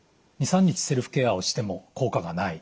２３日セルフケアをしても効果がない。